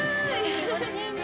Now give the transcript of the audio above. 気持ちいいね。